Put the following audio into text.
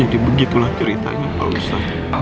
jadi begitulah ceritanya pak ustaz